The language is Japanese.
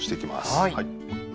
はい。